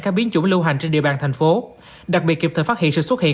các biến chủng lưu hành trên địa bàn tp hcm đặc biệt kịp thời phát hiện sự xuất hiện